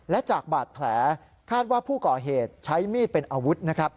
และจากบาดแผลคาดว่าผู้ก่อเหตุใช้มีดเป็นอาวุธนะครับ